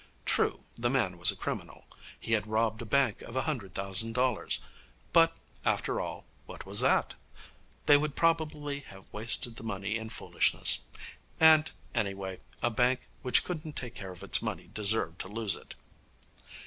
True, the man was a criminal. He had robbed a bank of a hundred thousand dollars. But, after all, what was that? They would probably have wasted the money in foolishness. And, anyway, a bank which couldn't take care of its money deserved to lose it.